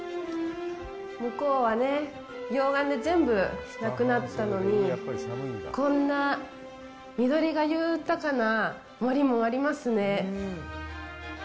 向こうはね、溶岩で全部なくなったのに、こんな緑が豊かな森もありますね。